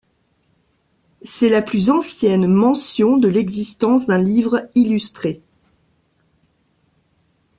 C'est la plus ancienne mention de l'existence d'un livre illustré.